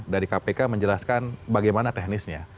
dari kpk menjelaskan bagaimana teknisnya